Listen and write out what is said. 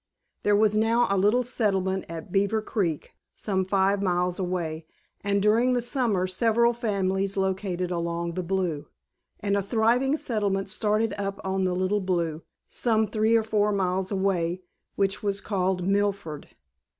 There was now a little settlement at Beaver Creek, some five miles away, and during the summer several families located along the Blue, and a thriving settlement started up on the Little Blue, some three or four miles away, which was called "Milford."